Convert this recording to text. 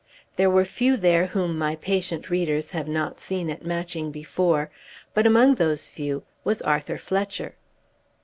There were few there whom my patient readers have not seen at Matching before; but among those few was Arthur Fletcher.